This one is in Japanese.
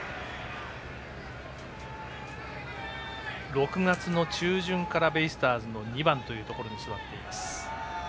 ６月の中旬からベイスターズの２番というところに座っています。